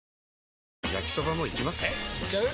えいっちゃう？